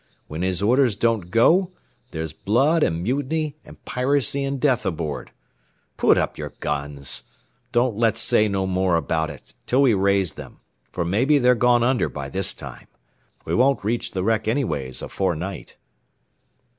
When his orders don't go, there's blood an' mutiny an' piracy an' death aboard. Put up your guns. Don't let's say no more about it till we raise them, for maybe they're gone under by this time. We won't reach the wreck anyways afore night."